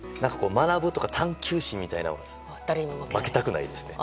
学ぶとか探求心みたいなもの負けたくないですね。